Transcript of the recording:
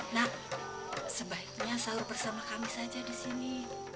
nak sebaiknya selalu bersama kami saja di sini